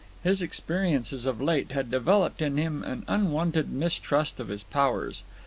His experiences of late had developed in him an unwonted mistrust of his powers.